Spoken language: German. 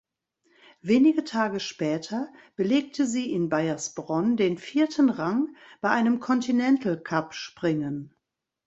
Wenige Tage später belegte sie in Baiersbronn den vierten Rang bei einem Continental-Cup-Springen.